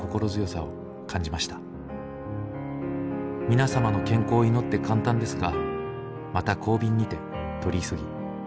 「皆様の健康を祈って簡単ですがまた後便にて取り急ぎ。